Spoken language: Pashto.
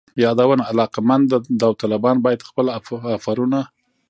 یادونه: علاقمند داوطلبان باید خپل آفرونه